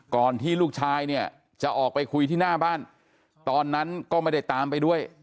ก่อนที่ลูกชายเนี่ยจะออกไปคุยที่หน้าบ้านตอนนั้นก็ไม่ได้ตามไปด้วย